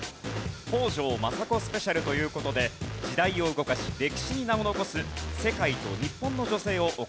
北条政子スペシャルという事で時代を動かし歴史に名を残す世界と日本の女性をお答えください。